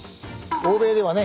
欧米ではね